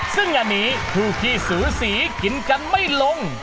ซึ่งอันนี้ผู้ที่สูสีกินกันไม่ลง